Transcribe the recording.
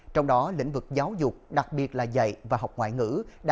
trong đó lĩnh vực giáo dục đặc biệt là dạy và học ngoại ngữ